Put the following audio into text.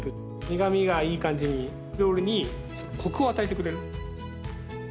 苦みがいい感じに料理にコクを与えてくれる。